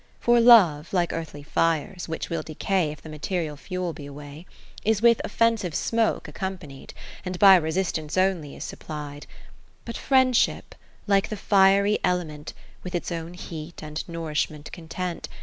For Love, like earthly fires (which will decay If the material fuel be away) 40 Is with offensive smoke accompanied. And by resistance only is supplied : But Friendship, like the fiery element, With its own heat and nourishment content.